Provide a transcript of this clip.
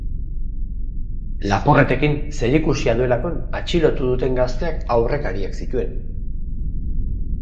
Lapurretekin zerikusia duelakoan atxilotu duten gazteak aurrekariak zituen.